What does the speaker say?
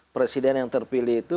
presiden yang terpilih itu